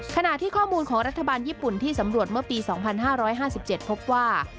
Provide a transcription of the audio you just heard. ขณะที่ข้อมูลของรัฐบาลญี่ปุ่นที่สำรวจเมื่อปี๒๕๕๗พบว่า